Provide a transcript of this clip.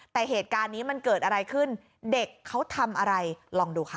แต่เหตุการณ์นี้มันเกิดอะไรขึ้นเด็กเขาทำอะไรลองดูค่ะ